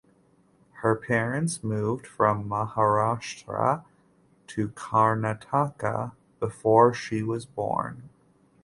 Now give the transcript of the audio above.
Her parents moved from Maharashtra to Karnataka before she was born.